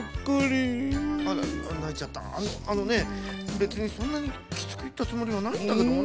べつにそんなにきつくいったつもりはないんだけどもな。